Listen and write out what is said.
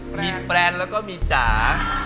มีแปรนแล้วก็มีจ๋า